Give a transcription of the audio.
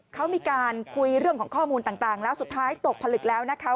เขามีการคุยเรื่องของข้อมูลต่างแล้วสุดท้ายตกผลึกแล้วนะคะ